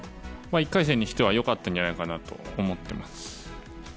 １回戦にしてはよかったんじゃないかなと思ってます。